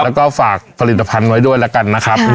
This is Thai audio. แล้วก็ฝากผลิตภัณฑ์ไว้ด้วยแล้วกันนะครับ